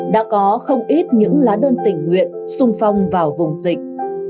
đã có không ít những lá đơn tình nguyện sung phong vào vùng dịch